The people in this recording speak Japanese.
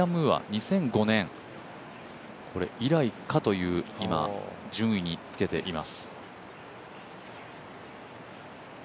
２００５年以来かという順位につけています。